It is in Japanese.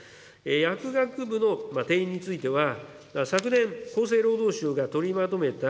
薬学部の定員については、昨年、厚生労働省が取りまとめた、